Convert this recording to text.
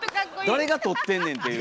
誰が撮ってんねんっていう。